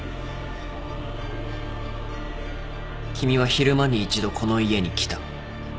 君は昼間に一度この家に来た。